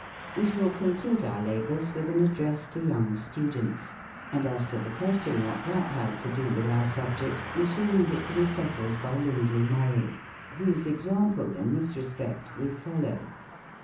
We shall conclude our labors with an " Address to Young Stu dents ;" and as to the question, what that has to do with our subject, we shall leave it to be settled by Lindley Murray, whose example, in this respect, we follow.